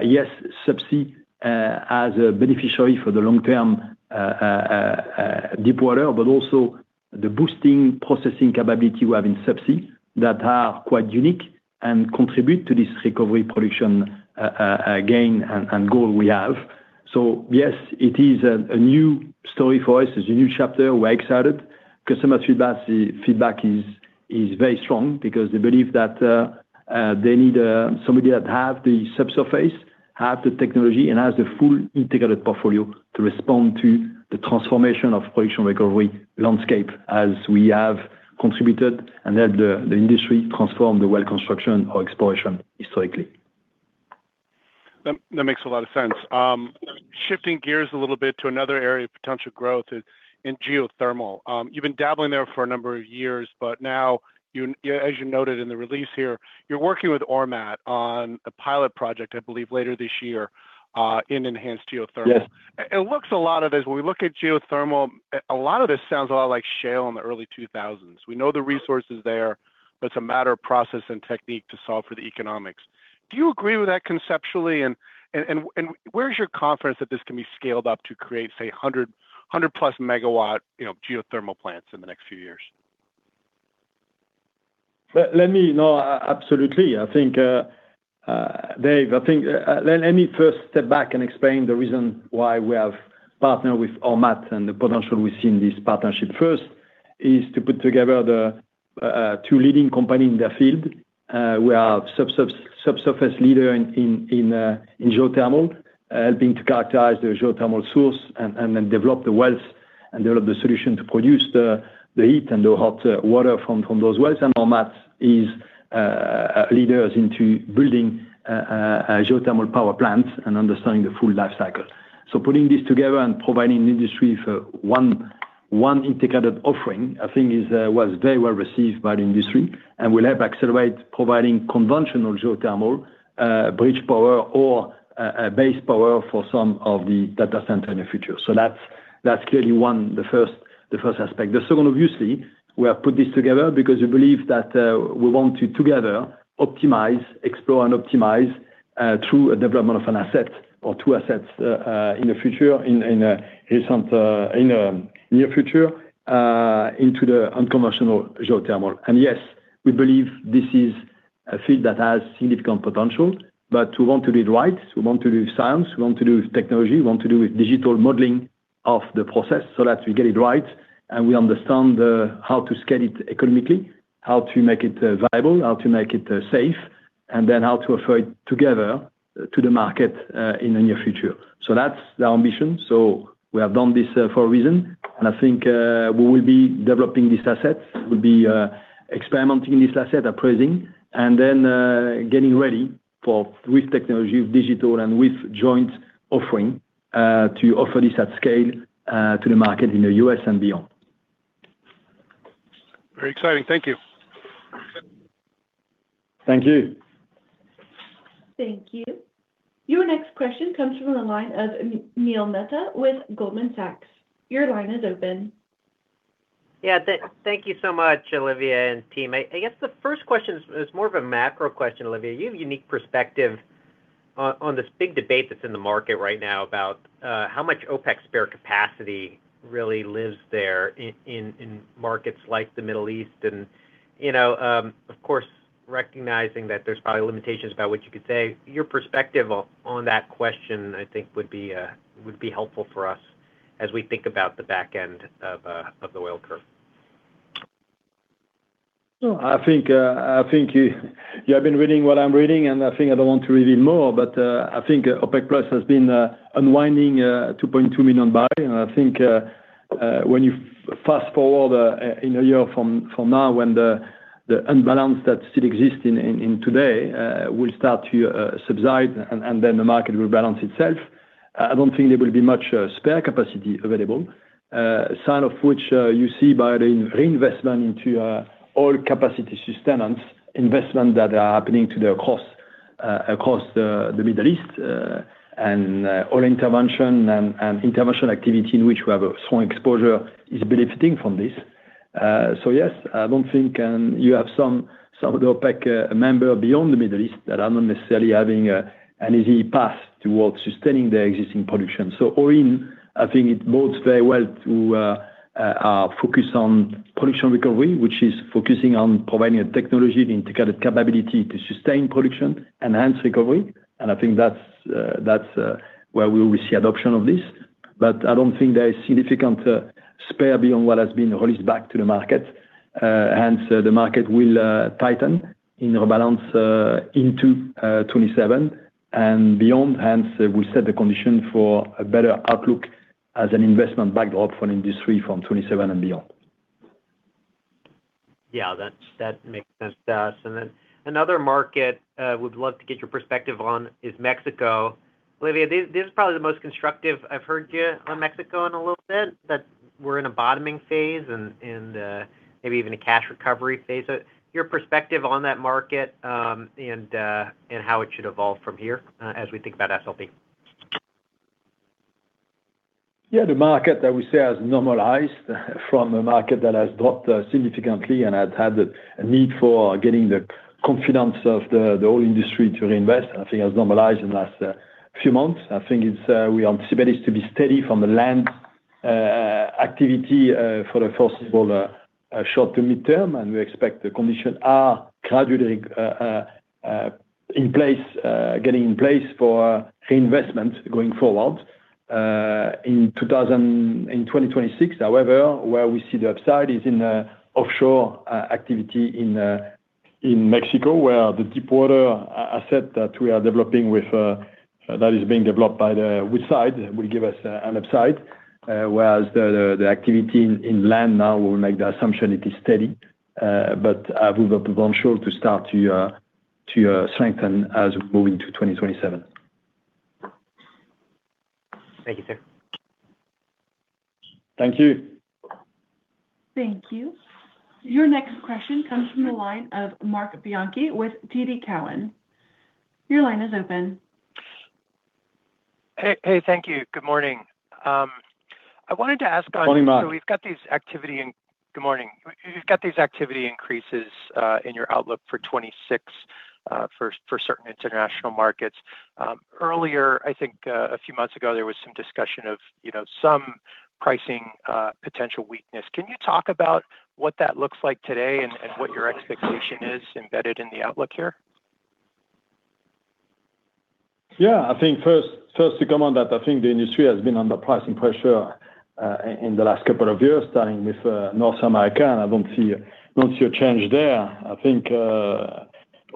Yes, SLB as a beneficiary for the long-term deep water, but also the boosting processing capability we have in SLB that are quite unique and contribute to this recovery production gain and goal we have. So yes, it is a new story for us. It's a new chapter. We're excited. Customer feedback is very strong because they believe that they need somebody that has the subsurface, has the technology, and has the full integrated portfolio to respond to the transformation of production recovery landscape as we have contributed and helped the industry transform the well construction or exploration historically. That makes a lot of sense. Shifting gears a little bit to another area of potential growth in geothermal. You've been dabbling there for a number of years, but now, as you noted in the release here, you're working with Ormat on a pilot project, I believe, later this year in enhanced geothermal. It looks a lot like as when we look at geothermal, a lot of this sounds a lot like shale in the early 2000s. We know the resources there, but it's a matter of process and technique to solve for the economics. Do you agree with that conceptually? Where's your confidence that this can be scaled up to create, say, 100+ MW geothermal plants in the next few years? Absolutely. I think, Dave, I think let me first step back and explain the reason why we have partnered with Ormat and the potential we see in this partnership. First is to put together the two leading companies in their field. We are subsurface leader in geothermal, helping to characterize the geothermal source and then develop the wells and develop the solution to produce the heat and the hot water from those wells. And Ormat is leaders into building geothermal power plants and understanding the full lifecycle. So putting this together and providing the industry for one integrated offering, I think, was very well received by the industry and will help accelerate providing conventional geothermal bridge power or base power for some of the data centers in the future. So that's clearly the first aspect. The second, obviously, we have put this together because we believe that we want to together optimize, explore, and optimize through a development of an asset or two assets in the future, in the near future, into the unconventional geothermal. And yes, we believe this is a field that has significant potential, but we want to do it right. We want to do it with science. We want to do it with technology. We want to do it with digital modeling of the process so that we get it right and we understand how to scale it economically, how to make it viable, how to make it safe, and then how to offer it together to the market in the near future. So that's the ambition. So we have done this for a reason. And I think we will be developing this asset, will be experimenting in this asset, appraising, and then getting ready for with technology, with digital, and with joint offering to offer this at scale to the market in the U.S. and beyond. Very exciting. Thank you. Thank you. Thank you. Your next question comes from the line of Neil Mehta with Goldman Sachs. Your line is open. Yeah. Thank you so much, Olivier and team. I guess the first question is more of a macro question, Olivier. You have a unique perspective on this big debate that's in the market right now about how much OPEC spare capacity really lives there in markets like the Middle East. And of course, recognizing that there's probably limitations about what you could say, your perspective on that question, I think, would be helpful for us as we think about the back end of the oil curve. I think you have been reading what I'm reading, and I think I don't want to reveal more, but I think OPEC+ has been unwinding 2.2 million barrels. I think when you fast forward a year from now, when the imbalance that still exists today will start to subside and then the market will balance itself, I don't think there will be much spare capacity available, sign of which you see by the reinvestment into oil capacity sustenance, investments that are happening to the cost across the Middle East, and oil intervention and intervention activity in which we have a strong exposure is benefiting from this. So yes, I don't think you have some of the OPEC members beyond the Middle East that are not necessarily having an easy path towards sustaining their existing production. So Iran, I think it bodes very well to our focus on production recovery, which is focusing on providing a technology and integrated capability to sustain production and enhance recovery. And I think that's where we will see adoption of this. But I don't think there is significant spare beyond what has been released back to the market. Hence, the market will tighten in rebalance into 2027 and beyond. Hence, we'll set the condition for a better outlook as an investment backdrop for the industry from 2027 and beyond. Yeah. That makes sense. And then another market we'd love to get your perspective on is Mexico. Olivier, this is probably the most constructive I've heard you on Mexico in a little bit, that we're in a bottoming phase and maybe even a cash recovery phase. Your perspective on that market and how it should evolve from here as we think about SLB? Yeah. The market, I would say, has normalized from a market that has dropped significantly and has had a need for getting the confidence of the oil industry to reinvest. I think it has normalized in the last few months. I think we anticipate it to be steady from the land activity for the first of all, short to midterm. And we expect the conditions are gradually in place, getting in place for reinvestment going forward. In 2026, however, where we see the upside is in offshore activity in Mexico, where the deep water asset that we are developing that is being developed by the Woodside will give us an upside, whereas the activity in land now will make the assumption it is steady, but with the potential to start to strengthen as we move into 2027. Thank you, sir. Thank you. Thank you. Your next question comes from the line of Marc Bianchi with TD Cowen. Your line is open. Hey. Hey. Thank you. Good morning. I wanted to ask on. Good morning, Mark. So we've got these activity in good morning. We've got these activity increases in your outlook for 2026 for certain international markets. Earlier, I think a few months ago, there was some discussion of some pricing potential weakness. Can you talk about what that looks like today and what your expectation is embedded in the outlook here? Yeah. I think first to comment that I think the industry has been under pricing pressure in the last couple of years, starting with North America, and I don't see a change there. I think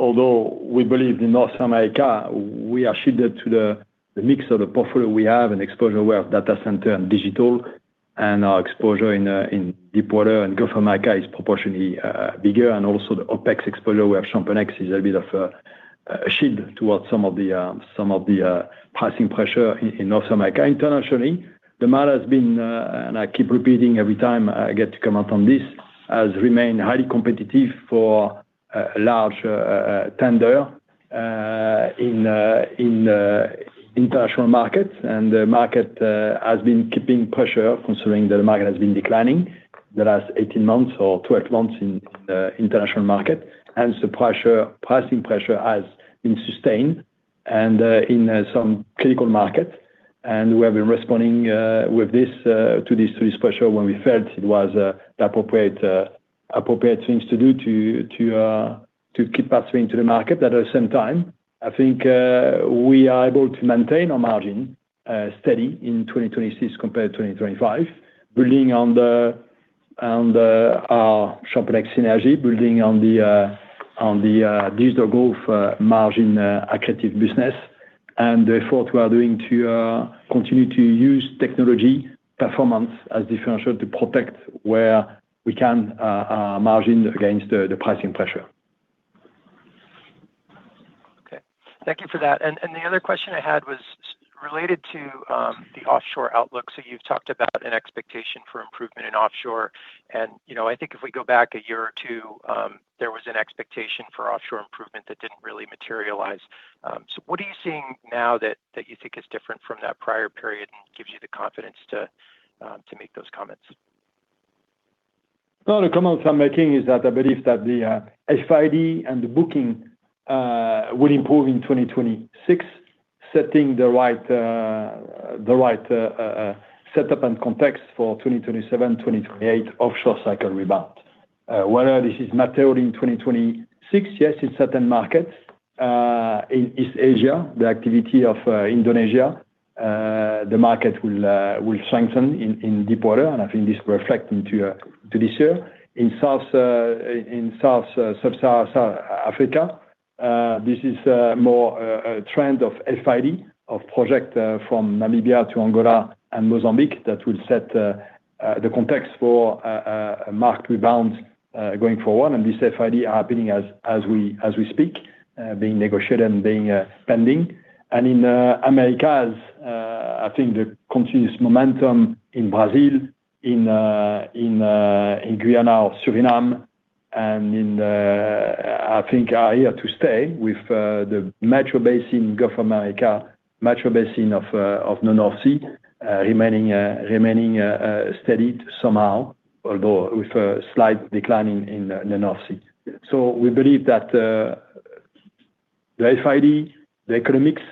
although we believe in North America, we are shielded to the mix of the portfolio we have and exposure where data center and digital and our exposure in deepwater and Gulf of Mexico is proportionally bigger. And also the OPEC exposure where Schlumberger is a bit of a shield towards some of the pricing pressure in North America. Internationally, the market has been, and I keep repeating every time I get to comment on this, has remained highly competitive for a large tender in international markets. And the market has been keeping pressure considering that the market has been declining the last 18 months or 12 months in the international market. Hence, the pricing pressure has been sustained in some critical markets. And we have been responding to this pressure when we felt it was the appropriate things to do to keep us into the market. At the same time, I think we are able to maintain our margin steady in 2026 compared to 2025, building on our Schlumberger synergy, building on the digital growth margin-accretive business, and the effort we are doing to continue to use technology performance as differential to protect where we can margin against the pricing pressure. Okay. Thank you for that. The other question I had was related to the offshore outlook. You've talked about an expectation for improvement in offshore. I think if we go back a year or two, there was an expectation for offshore improvement that didn't really materialize. What are you seeing now that you think is different from that prior period and gives you the confidence to make those comments? Well, the comments I'm making is that I believe that the FID and the booking will improve in 2026, setting the right setup and context for 2027, 2028 offshore cycle rebound. Whether this is material in 2026, yes, in certain markets, in East Asia, the activity of Indonesia, the market will strengthen in deepwater. And I think this will reflect into this year. In Sub-Saharan Africa, this is more a trend of FID, of project from Namibia to Angola and Mozambique that will set the context for a marked rebound going forward. And these FID are happening as we speak, being negotiated and being pending. And in the Americas, I think the continuous momentum in Brazil, in Guyana, or Suriname, and, I think, are here to stay with the mature basin Gulf of Mexico, mature basin of the North Sea remaining steady somehow, although with a slight decline in the North Sea. So we believe that the FID, the economics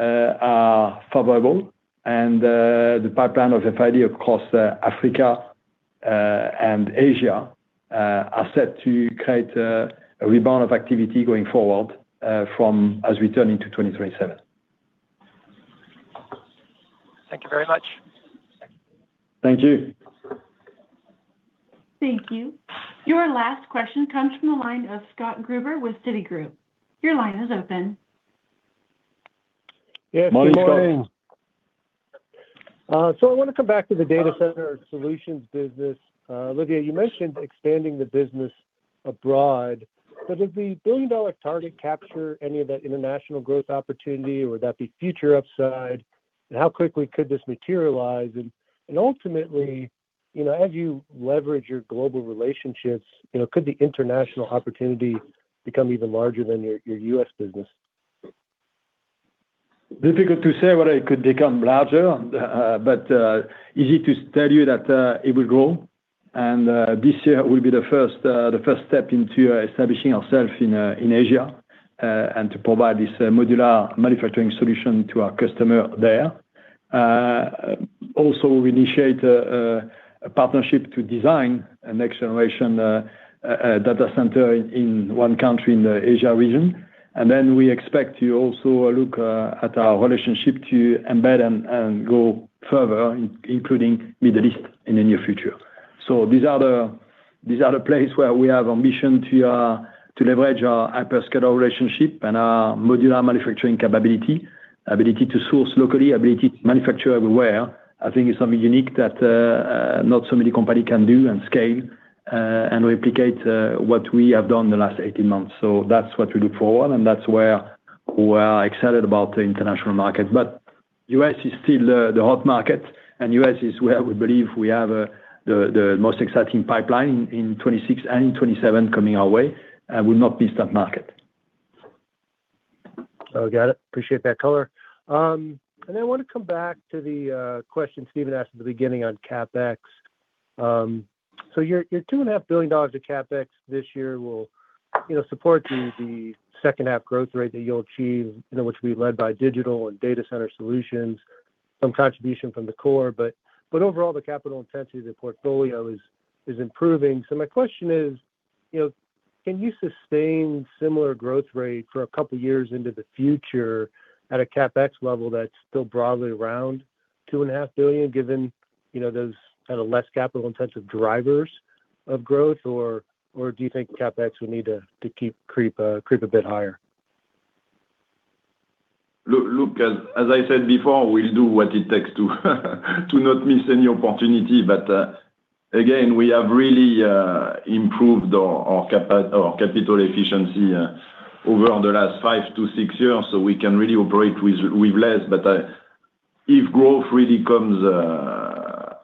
are favorable, and the pipeline of FID across Africa and Asia are set to create a rebound of activity going forward as we turn into 2027. Thank you very much. Thank you. Thank you. Your last question comes from the line of Scott Gruber with Citigroup. Your line is open. Good morning. So I want to come back to the data center solutions business. Olivier, you mentioned expanding the business abroad. But does the billion-dollar target capture any of that international growth opportunity, or would that be future upside? And how quickly could this materialize? Ultimately, as you leverage your global relationships, could the international opportunity become even larger than your U.S. business? Difficult to say whether it could become larger, but easy to tell you that it will grow. This year will be the first step into establishing ourselves in Asia and to provide this modular manufacturing solution to our customer there. Also, we initiate a partnership to design a next-generation data center in one country in the Asia region. Then we expect to also look at our relationship to embed and go further, including Middle East, in the near future. So these are the places where we have ambition to leverage our hyperscale relationship and our modular manufacturing capability, ability to source locally, ability to manufacture everywhere. I think it's something unique that not so many companies can do and scale and replicate what we have done in the last 18 months. So that's what we look forward to, and that's where we are excited about the international market. But the US is still the hot market, and the US is where we believe we have the most exciting pipeline in 2026 and in 2027 coming our way, and we'll not miss that market. I got it. Appreciate that color. And then I want to come back to the question Stephen asked at the beginning on CapEx. So your $2.5 billion of CapEx this year will support the second-half growth rate that you'll achieve, which will be led by digital and data center solutions, some contribution from the core. But overall, the capital intensity of the portfolio is improving. So my question is, can you sustain similar growth rate for a couple of years into the future at a CapEx level that's still broadly around $2.5 billion, given those kind of less capital-intensive drivers of growth, or do you think CapEx will need to creep a bit higher? Look, as I said before, we'll do what it takes to not miss any opportunity. But again, we have really improved our capital efficiency over the last five to six years, so we can really operate with less. But if growth really comes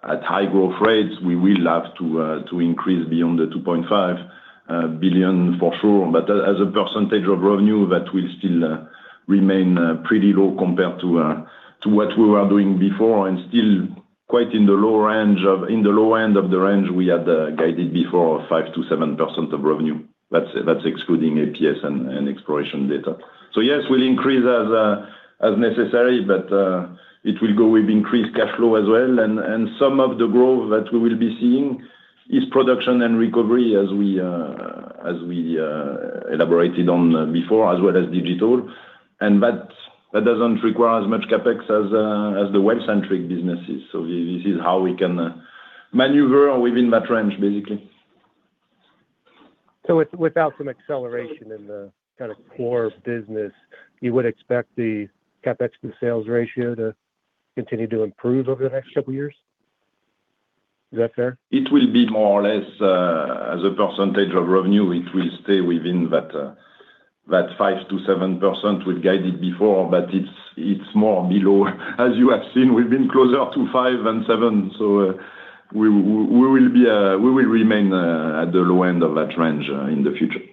at high growth rates, we will have to increase beyond the $2.5 billion for sure. But as a percentage of revenue, that will still remain pretty low compared to what we were doing before and still quite in the low end of the range we had guided before of 5%-7% of revenue. That's excluding APS and exploration data. So yes, we'll increase as necessary, but it will go with increased cash flow as well. And some of the growth that we will be seeing is production and recovery, as we elaborated on before, as well as digital. And that doesn't require as much CapEx as the well-centric businesses. So this is how we can maneuver within that range, basically. So without some acceleration in the kind of core business, you would expect the CapEx to sales ratio to continue to improve over the next couple of years? Is that fair? It will be more or less as a percentage of revenue. It will stay within that 5%-7% we've guided before, but it's more below. As you have seen, we've been closer to 5 than 7. So we will remain at the low end of that range in the future.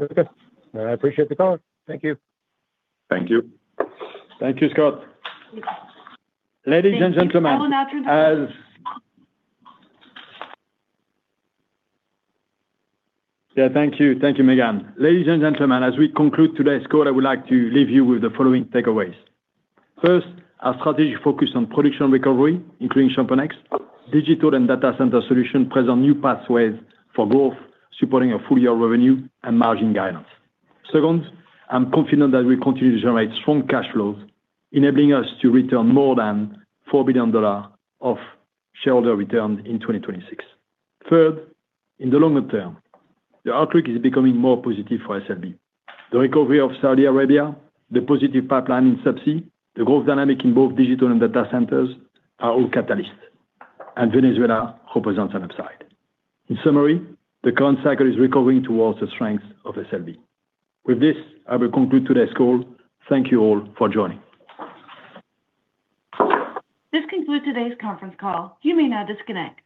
Okay. I appreciate the color. Thank you. Thank you. Thank you, Scott. Ladies and gentlemen, Thank you. Thank you, Megan. Ladies and gentlemen, as we conclude today's call, I would like to leave you with the following takeaways. First, our strategy focused on production recovery, including ChampionX. Digital and Data Center solutions present new pathways for growth, supporting a full-year revenue and margin guidance. Second, I'm confident that we continue to generate strong cash flows, enabling us to return more than $4 billion of shareholder returns in 2026. Third, in the longer term, the outlook is becoming more positive for SLB. The recovery of Saudi Arabia, the positive pipeline in Subsea, the growth dynamic in both digital and data centers are all catalysts, and Venezuela represents an upside. In summary, the current cycle is recovering toward the strength of SLB. With this, I will conclude today's call. Thank you all for joining. This concludes today's conference call. You may now disconnect.